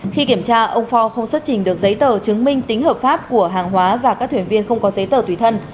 khi kiểm tra ông phò không xuất trình được giấy tờ chứng minh tính hợp pháp của hàng hóa và các thuyền viên không có giấy tờ tùy thân